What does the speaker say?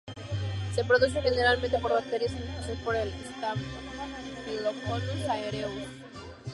Se produce generalmente por bacterias, en especial por el "Staphylococcus aureus".